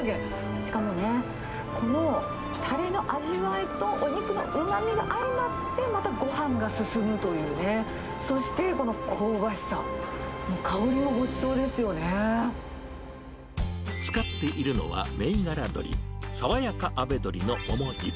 しかもね、このたれの味わいとお肉のうまみが相まって、またごはんが進むというね、そしてこの香ばしさ、もう香りもごちそうです使っているのは、銘柄鶏、さわやかあべどりのモモ肉。